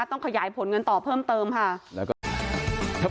ต้องขยายผลเงินต่อเพิ่มเติมค่ะ